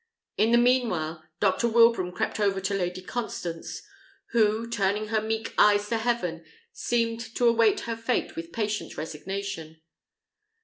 In the mean while, Dr. Wilbraham crept over to Lady Constance, who, turning her meek eyes to heaven, seemed to await her fate with patient resignation.